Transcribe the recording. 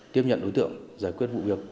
tiếp nhận đối tượng giải quyết vụ việc